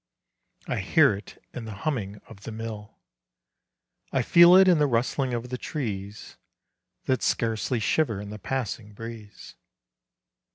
I hear it in the humming of the mill, I feel it in the rustling of the trees, That scarcely shiver in the passing breeze.